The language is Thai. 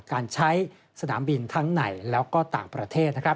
การใช้สนามบินทั้งในแล้วก็ต่างประเทศ